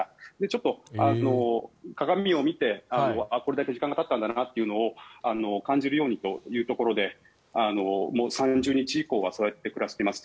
ちょっと鏡を見てこれだけ時間がたったんだなというのを感じるようにというところで３０日以降はそうやって暮らしています。